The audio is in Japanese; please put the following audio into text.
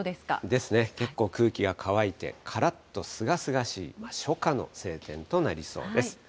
ですね、結構空気が乾いて、からっとすがすがしい、初夏の晴天となりそうです。